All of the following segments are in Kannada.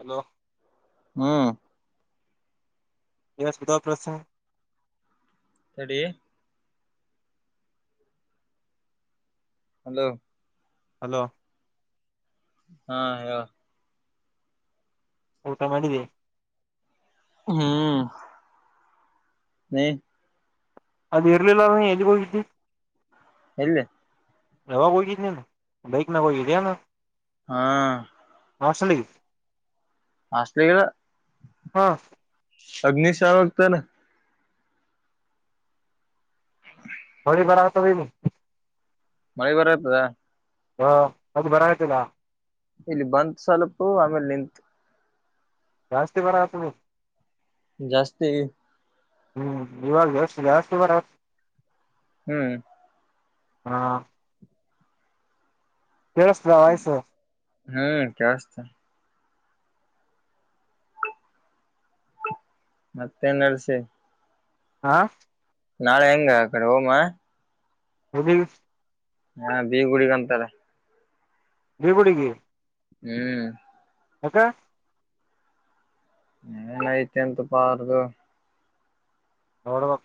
ಹಲೋ ಹ್ಮ ಎಷ್ಟಧ ಪ್ರಶ್ನೆ ಸಡಿ ಹಲೋ ಹಲೋ ಹಾ ಹೇಳ ಊಟ ಮಾಡಿದೆ ಹ್ಮ್ ಹ್ಮ ಅದು ಇರಲಿಲ್ಲ ಎಲ್ಲಿ ಹೋಗಿದ್ದು ಇಲ್ಲಿ ಅಾವ ಕ ರೀತ ನ ಬೈಕ್ ನ ಕಧೆ ಹಾ ಹಸಲಿ ಹಲಿಲ್ಲ ಅಗ್ನಿಶಾವಕ ತ ಬರತ ಮಳೆ ಬರತದಾ ಹ ಮದು ಬರ ತುಲ್ಲ ಇಲ್ಲಿ ಬಂತ ಸ್ವಲ್ಪು ಆಮೇಲ್ ನಿಂತು ಜಾಸ್ತಿ ಬರತಿ ಜಾಸ್ತಿ ಹ್ಮ್ ಇವಾಗ ಜಸ್ ಜಾಸ್ತಿ ಬರ ಹ್ಮ್ ಹಾ ಕೇಳಸ್ತದ ವಾಯ್ಸು ಹ್ಮ್ ಕೆವಸ್ತ ಮತ್ತೆಂಗರ್ಸ ಹಾ ನಾಳೆ ಹೆಂಗ ಕಡೆ ಹೋಮ ಹದ ಹಾ ಬೀ ಗುಡಗಂತಾರ ಬಿ ಗೋಡೆ ಹ್ಮ್ ಎ ಕ ನ್ ಐತೆಂತ ಪಾರದುು ನಡು ಹ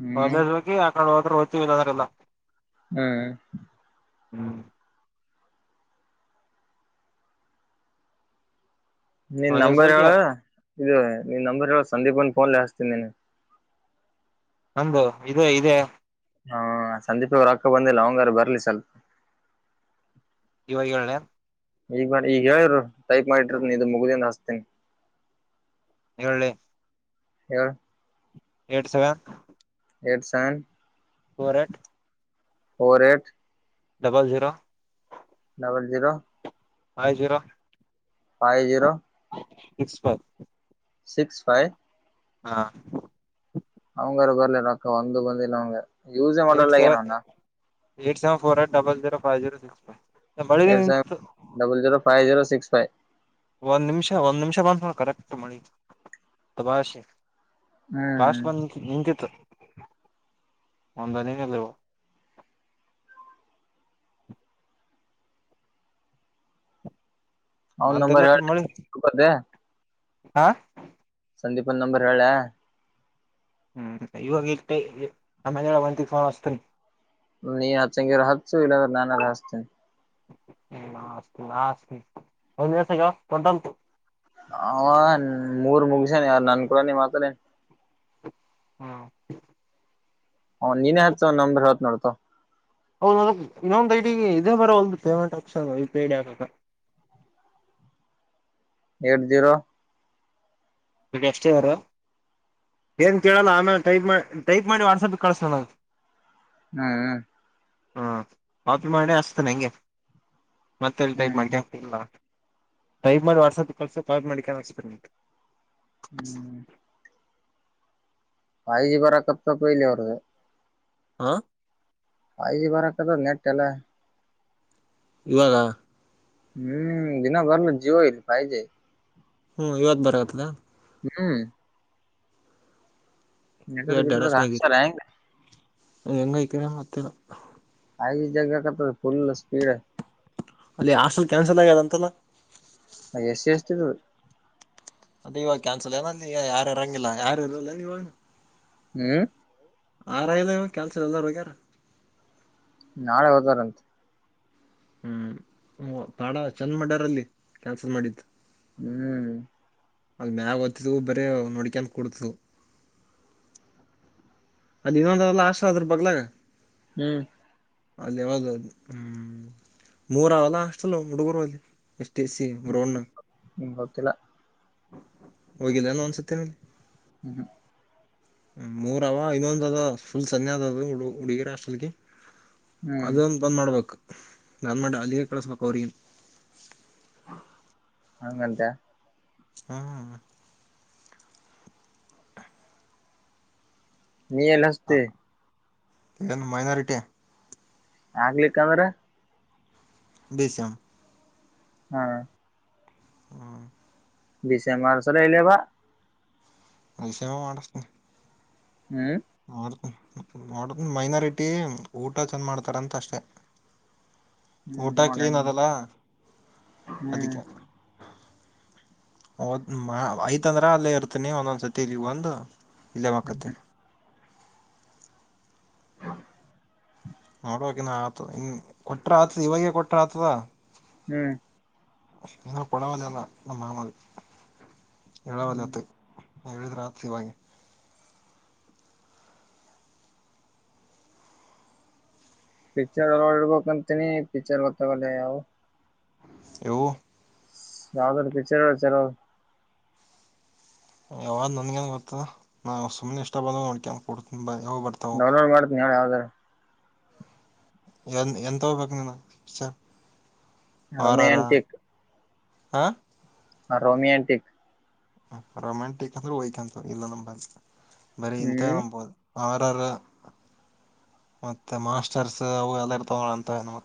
ಹ್ಮ್ ಒಂದ ಹೋಗಿ ಆಕಡೆ ಹೋದ ಹ್ೀವಿದ್ರಲ್ಲ ಹ್ಮ್ ಹ್ಮ ನಿನ್ ಕಾಲೇಜ್ ನಂಬರ್ ಹೋಗಿ ಹೇಳ ಇದು ನಿನ್ ನಂಬರ್ ಹೇಳ ಸಂದೀಪನ್ ಫೋನ್ ಹಸ್ತೀನಿ ನೀನ್ ನಂದುು ಇೇ ಇದೆ ಹಾ ಸಂದೀಪ ಅವರು ಅಕ್ಕ ಬಂದಿಲ್ಲ ಅವಂಗಾರ ಬರ್ಲಿ ಸ್ವಲ್ಪ ಇವರಿಗೆ ಹೇಳಳ್ಳ ಈಗ ಬಾರಿ ಈಗ ಹೇಳರು ಟೈಪ್ ಮಾಡಿರ ನೀದು ಮುಗ್ದಿಂದ ಹಾಸ್ತೀನಿ ಹೇಳಳ್ಳೆ ಹೇಳವ ಏಟ್ ಸೆವೆನ್ ಎಡ್ಸನ್ ಕೋರಟ್ ೋರ ಟ್ double zero double zero ಆಯ್ತೀರಾ [unintelligible] five zero six five six five ಹಾ ಅವಂಗಾರ ಬರ್ಲಾರ ಅಕ್ಕ ಒಂದು ಬಂದಿಲ್ಲ ಅವಂಗ ಯೂಸೇ ಮಾಡಲ್ಲ ಏನ್ಣ ಏ ಸೆವೆನ್ ೋರ್ ಟ್ ಡಲ್ ಜರೋಫೈ್ ಜೀೋ ಸಿಕ್ಸ್ ಫ್ ಎ ಡಲ್ ಜರೋ ಫ್ ಜೀರೋ ಸಿಸ್ ಫ್ ಒಂದ್ ನಿಮಿಷ ಒಂದ್ ನಿಮಷ ಬ ಕರೆಕ್ಟ್ ಮಾಡಿ ತ ಹ್ಮ್ ಪಾಸ್ಟ್ ಬಂದ ನಿ ನಿಂಂತಿತ್ತು ಅದಾನಿ ನಲ್ಲವ ಅವನ್ ಬಧೆ ನಂಬರ್ ಹೇಳ ಲಕ್ಕಡ ಮಾಡಿ ಗೊತ್ತೆ ಹಾ ಸಂದೀಪ ನಂಬರ್ ಹೇಳಳ ಹ್ಮ್ ಇವಾಗ ಇ ಆಮೇ ಒಂತಸ್ತನ ನೀ ಹಗೆ ಹಸು ಇಲ್ಲ ನಾನ ಹಚ್ತೆ ನಸ್ತಿ ನಸ್ತಿ ಹಂದು ದಿವಸಕ್ಕೆ ಟಂತ ಹ ಮೂರ್ ಮುಗಿಸಾನ ಯಾರು ನನ್ಕೂರಾನ ಮಾತಾನೇ ಹ್ಮ ಹ ನೀನೇ ಹತ್ ನಂಬ್ರ ಹತ್ ನೋಡ್ತ ಹೌದ ಅ ಇನ್ನೊಂದು್ ಐ ಡಿ ಇದದೆ ಬರೋ ಒ ಪೇಮೆಂಟ್ ಆಪ್ಷನ್ ಪೇ ಡ್ ಆಗದ [inaudible] ಏಟ್ ಜೀರೋ ನಿಗ ಎಷ್ಟಿದ್ದಾರೆ ಏನ್ ಕೇಳಲ್ಲ ಆಮೇಲೆ ಟೈಪ್ ಮಾಡ ಟೈಪ್ ಮಾಡಿ ವಾಟ್ಸಪ್ಗೆ ಕಳಸೋಣ ಹ್ಮ್ ಹಾ ವಾಪಿ ಮಾಡಿ ಹಸ್ತನೆ ನಂಗೆ ಮತ್ತೆಲ್ಲಿ ಟೈಪ್ ಹ್ಮ್ ಹ್ಮ್ ಮಾಡ್ಕ ಇಲ್ಲ ಟೈಪ್ ಮಾಡಿ ವಾಟ್ಸಆಪ್ ಕಲ್ಸ ಕಾಲ್ ಮಾಡಿಕ ಆಸಪಟ್ ಹ್ಮ್ ವಾಯಜಿ ಬರಕತ್ತಪಲ್ಲ ಅವದು ಹಾ ಫೈ ಜಿ ಬರಕ್ಕದ ನೆಟ್ ಎಲ್ಲ ಇವಾಗ ಹ್ಮ್ ದಿನಭರಲು ಜೀವಲ್ಲ ಪೈಜೆ ಹ್ಮ್ ಇವತ್ ಬರತ್ತದಾ [unintelligible] ಹ್ಮ್ ನೆಟ್ವರ್ಕ್ ಗಿಟ್ವರ್ಕ್ ಕೆಟರಸ್ಮರುನ್ ಹಾಕ್ಸ್ಯಾರ ಹೆಂಗ್ ಕ ಮತ್ತಲ್ಲ [unintelligible] ಆ ಜಗಕತಫುಲ್ ಸ್ಪೀಡ್ [unintelligible] ಅಲ್ಲಿ ಹಸ್ಟಲ್ ಕ್ಯಾನ್ಸಲ್ ಆಗ್ಯದ ಅಂತಲ್ಲ ಎಸ್ಸಿ ಎಸ್ಟಿ ಅದ ಇವಾಗ ಕ್ಯಾನ್ಸಲ್ ಏನ ನೀ ಯಾರು ಇಾರಂಗಿಲ್ಲ ಯಾರು ಇರಿಲ್ಲ ನೀವ ಹ್ಮ್ ಆರಲ್ಲ ಕ್ಯಲ್ ಚ ಅದಗಾರ [unintelligible] ನಾಳೆ ಹೋದಾರಂತೆ ಹ್ಮ್ ತಾಡ [unintelligible] ಚಂದ ಮಾಡಡ್ಯಾರಲ್ಲಿ ಕ್ಯಾನ್ಸಲ್ ಮಾಡಿದ್ದು ಹ್ಮ್ ಅದ ಮ್ಯಾಗ ತಿದ ಬರೇ ನಡ್ಕನ್ ಕುೂಡ್ತು ಅದ ಇನ್ನೊಂದ್ರಲ್ಲ ಆಶೀರ್ವಾದ್ರ ಬಗ್ಲ ಹ್ಮ್ ಅಲ್ಲಿ ಹದುದು ಹ್ಮ್ ಮೂರಲ್ಲ ಅಷ್ಟಲ್ಲ ಹುಡುಗರು ಅಲ್ಲಿ ಎಷ್ಟ ಸ ಬ್ರೋ [unintelligible] ಹ್ಮ್ ಗೊತ್ತಿಲ್ಲ ಹೋಗಿಲ್ಲಾನ ಅನ್ಸುತ್ತೆನಲ್ಲಿ ಹ್ಮ್ ಹ್ಮ್ ಹ್ಮ ಮೂರ ಅವ ಇನ್ನೊಂದು ಅದ ಫುಲ್ ಸನ್ಯದ ಅದು ಹುಡುಗಿರ ಅಷ್ಟ್ರಲ್ಕ್ಕೆ ಹ್ಮ್ ಅದುಂದು ಬಂದ ಮಾಡಡಬೇಕು ಗರ್ಮಟ್ ಅಧಿಕ ಕ್ಲಾಸ್ ಬ ಅವರ ಹಂಗಂತಿಯಾ ಹ್ಮ ನೀಿಯಲ್ ಹಸತೆ [unintelligible] ಮೈನೋರಿಟಿಿಯ ಆಗ್ಲಿಕ್ಕಂದ್ರೆ [unintelligible] ಬಸಾಮ [unintelligible] ಹ್ಮ್ ಹ್ಮ್ ಬಸೆ [unintelligible] ಮಾರ್ಚ್ರ ಇಲ್ಲ ಬಾ ಅಯಸಮ [unintelligible] ಮಾಡಟಸ್ನೆ ಹ್ಮ್ ನೋಡ [unintelligible] ಮೈನಾರಿಟಿ ಊಟ ಚಂದ ಮಾಡ್ತಾರ ಅಂತ ಅಷ್ಟೆ ಹ್ಮ್ ಊಟ ನೋಡ ಕ್ಲೀನ್ ಅದಲ್ಲ ಹ್ಮ್ ಅದಕ್ಕೆ ಹದ್ ಮಾ ಐತಂದ್ರ ಅಲ್ಲೇ ಇರ್ತನಿ ಒಂದೊಂದ್ಸತಿ ಇಲ್ಲಿಗ ಒಂದು ಇಲ್ಲೇ ಮಲ್ಕೊತೀನಿ ನೋಡ್ಕ ನ ಆತ ಇ ಕೊಟ್ರ ಆತದ ಇವಾಗೇ ಕೊಟ್ರ ಆತದ ಹ್ಮ್ ಹ ಪಡವಲಲ್ಲಾ ನ ಮಾಮಲಿ [unintelligible] ಎಳ ವಲಯತ್ ಹೇಳಿದ್ ರಾತ್ರಿವಗೆ ಪಿಚರ್ ಕಂತನಿ ಪಿಚರ್ ಕತ್ತಾಗ ಯವು ಯಾವವುದರ ಪಿಕ್ಚರ ಚರೋ ಯಾವಾಗ ನನ್ಗೇನು ಗೊತ್ತದ ನಾವು ಸುಮ್ಮನೆ ಇಷ್ಟ ಬಂದ ನಡ್ಕ ಕೊಡ್ತ ಯಾವವು ಬರ್ತಾವವು ನಿ ಯಾವದ್ರ ಎನ್ ಎಂತ ಹೋಗ್ಬೇಕು ನೀನು ವಿ ರೊಮ್ಯಾಂಟಿಕ್ ಹಾ ರೋಮಿಯಂಟಕ್ ರೊಮ್ಯಾಂಟಿಕ್ ಅಂದ್ರೆ ಹಯಕಂತ ಇಲ್ಲ ನ ಬ ಬರೀ ಇಂತ ಹ್ಮ್ ನಂಬಬೋದು ಆರರ ಮತ್ತೆ ಮಾಸ್ಟರ್ಸ್ ಅವು ಎಲ್ಲಾರ ತಗಂತ ನ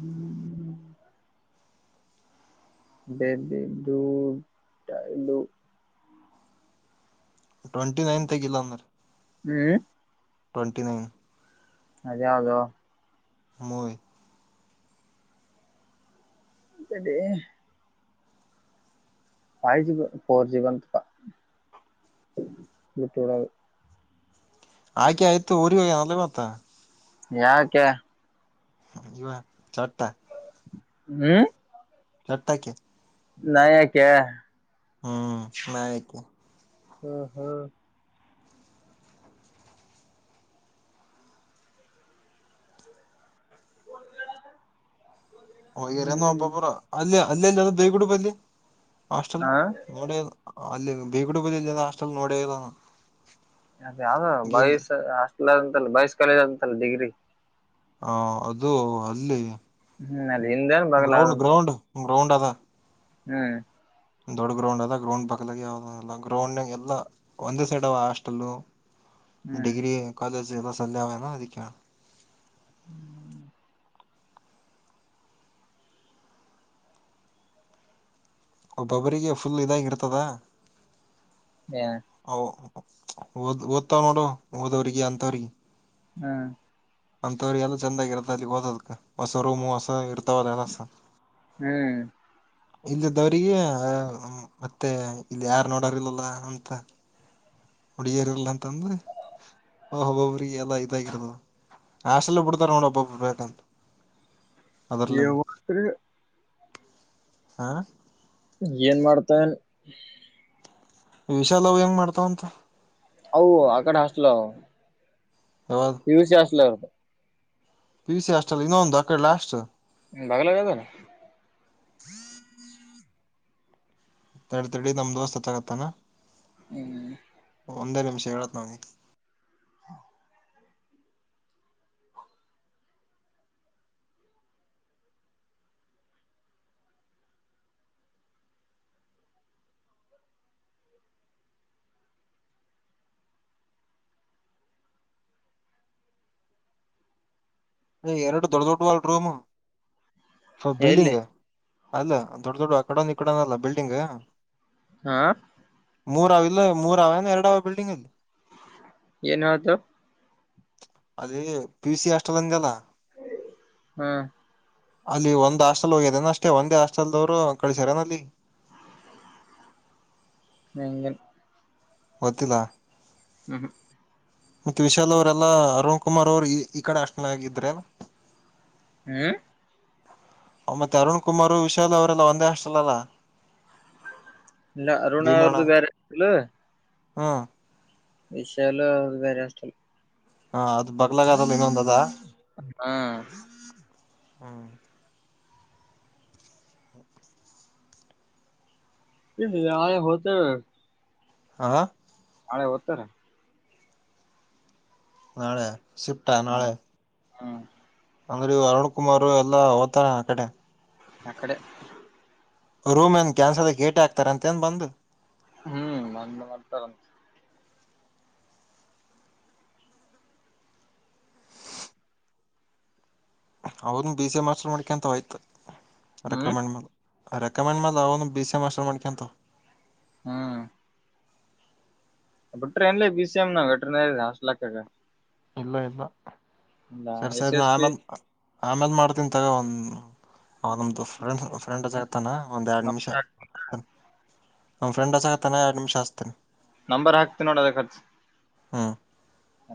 ಹ್ಮ್್ಮ ಬೆ ಬದುಟ ಟ್ವೆಂಟಿ ನೈನ್ ಇಲ್ಲ ಅಂದ್ರ ಹ್ಮ್ ಟ್ವೆಂಟಿ ನೈನ್ ಅದೇ ಅದೋ ಮೂ ಕಡೆ ಫೈವ್ ಜಿ ಫೋರ್ ಜಿ ಬಂತ ಹಾಗೆ ಆಯ್ತು ಊರಿವಾಗ ಅ ಗತ್ತಾ ಯಾಕ ಇುವ ಚಾರಾ ಹ್ಮ್ ಚರ್ತಕ್ಕೆ ನ ಯಾಕ ಹ್ಮ್ ನಾಯತು ಹ್ಮ್ ಹ್ಮ್ ಹಗರ ಹಬ್ಬ ಪುರ ಅಲ್ಲಿ ಅಲ್ಲ ಅಲ್ಲಿ ಅ ಬೇಗಡುಪ ಅಲ್ಲಿ ಹಾಸ್ಟೆಲ್ ಹಾ ನೋಡ ಅಲ್ಲಿ ಬೀಗಡುಪ ಹಾಸ್ಟೆಲ್ ನೋಡ ಅದ ಯಾವ್ದ ಬಾಯ್ಸ್ ಹಸ್ಟಲ್ಂತಲ್ಲ ಬಾಯ್ಸ್ ಕಾಲೇಜ್ ಅಂತಲ್ಲ ಡಿಗ್ರಿ ಹ ಅದು ಅಲ್ಲಿ ಹ್ಮ್ ಅಲ್ಲಿ ಹಿಂದೇನ್ ಬಗಲ ಗ್ರೌಂಡ್ ಅದಂತ ಗ್ರೌಂಡ್ ರೌಂಡ ಅದ ಹ್ಮ್ ದೊಡ್ಡ ಗ್ರೌಂಡ್ ಅಲ್ಲ ಗ್ರೌಂಡ್ ಪಕ್ಕಲಾಗಿ ಯಾವ ಗ್ರೌಂಡ್ ಎಲ್ಲ ಒಂದೇ ಸೈಡ್ ಅವ ಹಾಸ್ಟೆಲ್ ಹ್ಮ್ ಡಿಗ್ರಿ ಕಾಲೇಜ್ ಎಲ್ಲ ಸಲ್ಲಯಾವನ ಅದಕ್ಕೆಣ ಹ್ಮ್ ಒಬ್ಬೊಬ್ಬರಿಗೆ ಫುಲ್ ಇದಾಗಿ ಇರ್ತದ ಏ ಓದ ಓದ್ತಾವ್ ನೋಡು ಓದವ್ರಿಗೆ ಅಂತವ್ರಿಗೆ ಹ್ಮ್ ಅಂತವ್ರ ಎಲ್ಲ ಚಂದಾಗಿರತ್ತ ಅದ ಓದ ಹೊಸ ರೂಮ್ ಹೊಸ ಇರ್ತ ತ್ತರ ಹ್ಮ್ ಇಲ್ಲಿದ್ದವಿಗೆ ಮತ್ತೆ ಇಲ್ಲಿ ಯಾರ್ ನೋಡರ್ಲ್ಲಲ್ಲ ಅಂತ ಉಡಿಯರಲ್ಲ ಅಂತಂದ್ರೆ ಆಹಬಬ್ರೀ ಎಲ್ಲ ಇದಾಗಿರದು ಹಾಸಟಲ್ಲ ಪುಡ್ತಾರ ನಡಬ್ಬ ಬಟ ಎ ಹ ಏನ್ ಮಾಡ್ತ ವಿಶಾಲವು ಹೆಂಗ್ ಮಾಡ್ತಾವಂತ ಹ ಅಕಡೆ ಹಸ್ಲ ಯಾವ್ದ್ ಪಿಯುಸಿ ಅಸ್ಲ ಪಿ ಸಿ ಅಷ್ಟ ಅಲ್ಲಿ ಇನ್ನೊಂದು ಆಕಡೆಲ್ಲ ಅಷ್ಟು ಬಾಗಲ ಗದ ಹ್ಮ್ ತಡ್ ತಡಿ ನಮ ದೋಸ್ತ್ ಹ ತಗತ್ತಾನ ಹ್ಮ್ ಒಂದೇ ನಿಮಿಷ ಹೇಳತ್ ನೋಗೆ ಹ್ಮ ಅ ಎರಡು ದೊಡ್ಡ ದೊಡ್ಡ ವಲ್ ರೂಮ್ ಎಲ್ಲಿ ಬಿಲ್ಡಿಂಗ್ ಅಲ್ಲ ದೊಡ ದೊಡ್ ಆ ಕಡೆ ಒನ್ ಈ ಕಡೆ ಒಂದು ಅಲ್ಲ ಬಿಲ್ಡಿಂಗ್ ಹಾ ಮೂರ ಅವ ಇಲ್ಲ ಮೂರ ಅವ ಏ ಎರಡ ಅವ ಬಿಲ್ಡಿಂಗ್ ಇಲ್ಲಿ ಏನುದು ಅದೇ ಪಿು ಸಿ ಹಸ್ಟೆಲನ್ಲ್ಲ ಹಾ ಅಲ್ಲಿ ಒಂದ್ ಹಾಸ್ಟೆಲ್ ಹೋಗ್ಯದೇನ ಅಷ್ಟೆ ಒಂದೇ ಹಾಸ್ಟೆಲ್ದವ್ರು ಕಳಸ್ಯಾರನ ಅಲ್ಲಿ [inaudible] ಮಂಗನ್ ವತಿಲ ಹ್ಮ ಹ ಮತ್ತ ವಿಶಾಲ್ ಅವರೆಲ್ಲಾ ಅರುಣ್ ಕುಮಾರ್ ಅವರು ಈ ಈ ಕಡೆ ಅಷ್ಟನಾಗಿದ್ರ ಅ ಹ್ಮ ಮತ್ತೆ ಅರುಣ್ ಕುಮಾರ ವಿಶಾಲ್ ಅವರೆಲ್ಲ ಒಂದೇ ಅಷ್ಟಲ್ಲಲ್ಲ ಇಲ್ಲ ಅರುಣವ ತ ಗರೆ ಇಲ್ಲ ಹ್ಮ ವಿಷಯಲು ಹ ಬೇರೆ ಅಷ್ಟಲ್ ಹಾ ಅದು ಬಗ್ಲಗಾರಲ್ಲಿ ಇನ್ನೊಂದ ಅದ ಹಾ ಹ್ಮ್ ಇ ಆಯ ಹತ ಹ ನಾಳೆ ಹೊತರ ನಾಳೆ ಶಿಫ್ಟಾ ನಾಳೆ ಹ್ಮ ಅಂದ್ರೆ ಅರುಣ್ ಕುಮಾರ್ ಎಲ್ಲಾ ಹಓದ್ತಾರ ಆ ಕಡೆ ಅಕಡೆ ರೂಮ್ ಏನ್ ಕ್ಯಾನ್ಸರ್ದ ಏಟೆ ಹಾಕ್ತಾರ ಅಂತ ಏನ್ ಬಂದು ಹ್ಮ್ ಮಂದ ಮಾಡ್ತಾರ ಅವದ ಬಿ ಸಿ ಮಾಸ್ಟರ್ ಮಾಡ್ಕಂತ ಹಯ್ತು ಹ್ಮ್ ರೆಕಮೆಂಡ್ ಮೇಲ್ ರೆಕಮೆಂಡ್ ಮಾಡ ಅವ ಒಂದು ಬಿ ಸಿ ಎ್ ಹಸ್ಟಲ್ ಮಾಡ್ಕಂತ ಹಾ ಅಟ್ರೆನ್ಲ್ಲಿ ಬಿ ಸಿ ಎಮ ನಟ್ರ ದ ಲ ಇಲ್ಲ ಇಲ್ಲ ಸರಿ ಎಸ್ ಸರಿ ಎಸ್ ನಾನು ಪಿ ಆಮೇಲ್ ಆಮೇಲೆ ಮಾಡ್ತೀನಿ ತಗ ಒಂದು ಹಮ್ದು ಫ್ರೆಂಡ್ ಫ್ರೆಂಡ್ ಆತಾನ ಒಂದ್ ಎರಡು ನಿಮಿಷ ನಂಬರ್ ಹಾಕ್ ಆತ ನಮ್ಮ ಫ್ರೆಂಡ್ಸಾಗ ತಾನೆ ಅಡ್ಮಿಷನ್ಸ್ತನೆ ನಂಬರ್ ಹಾಕ್ತಿ ನೋಡ ಅದ ಖರ್ಚು ಹ್ಮ ಹ